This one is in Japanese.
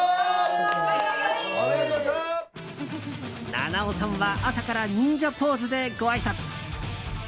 菜々緒さんは朝から忍者ポーズでごあいさつ。